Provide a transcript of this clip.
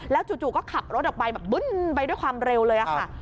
จู่ก็ขับรถออกไปแบบบึ้นไปด้วยความเร็วเลยค่ะ